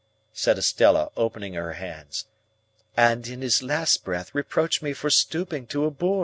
said Estella, opening her hands. "And in his last breath reproached me for stooping to a boor!"